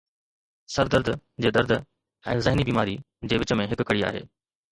سر درد جي درد ۽ ذهني بيماري جي وچ ۾ هڪ ڪڙي آهي